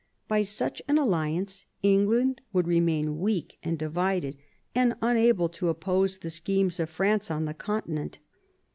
By such an alliance England would remain weak and divided, and unable to oppose the schemes of France on the Con tinent.